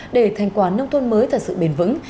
để thành quán nông thuần mới thật sự bền vững